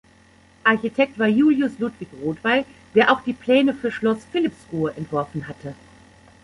Architekt war Julius Ludwig Rothweil, der auch die Pläne für Schloss Philippsruhe entworfen hatte.